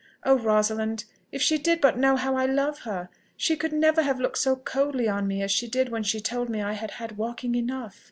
Oh, Rosalind! if she did but know how I love her, she could never have looked so coldly on me as she did when she told me I had had walking enough!"